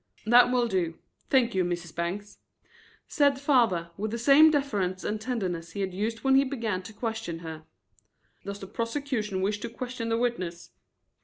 "That will do. Thank you, Mrs. Bangs," said father, with the same deference and tenderness he had used when he began to question her. "Does the prosecution wish to question the witness?"